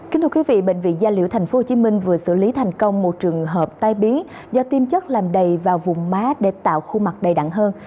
kính thưa quý vị bệnh viện gia liễu tp hcm vừa xử lý thành công một trường hợp tai biến do tiêm chất làm đầy vào vùng má để tạo khuôn mặt đầy đặn hơn